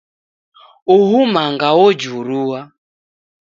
Uhu manga ojurua